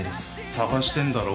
探してんだろ？